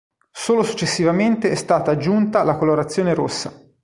Solo successivamente è stata aggiunta la colorazione rossa.